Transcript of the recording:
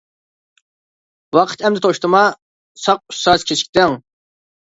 -ۋاقىت ئەمدى توشتىما. ساق ئۈچ سائەت كېچىكتىڭ!